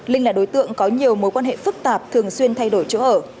linh là đối tượng có nhiều mối quan hệ phức tạp thường xuyên thay đổi chỗ ở